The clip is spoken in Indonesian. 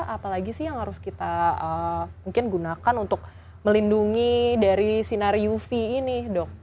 apalagi sih yang harus kita mungkin gunakan untuk melindungi dari sinar uv ini dok